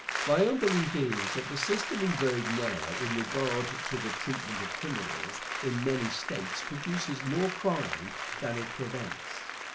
My own belief is that the system in vogue now in regard to the treatment of criminals in many States produces more crime than it prevents.